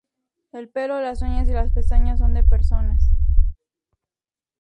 El pelo, las uñas y las pestañas son de persona.